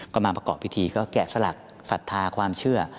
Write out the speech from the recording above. ก็มาประกอบพิธีก็แกะสลักศรัทธาความเชื่อ